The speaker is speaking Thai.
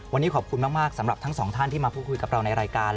วันนี้ขอบคุณมากสำหรับทั้งสองท่านที่มาพูดคุยกับเราในรายการ